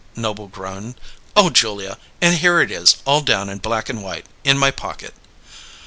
Noble groaned. "Oh, Julia! And here it is, all down in black and white, in my pocket!"